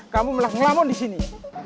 kamu meles ngelamon disini